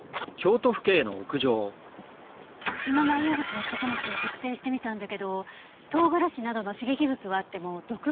胃の内容物の食物を特定してみたんだけど唐辛子などの刺激物はあっても毒物はなかった。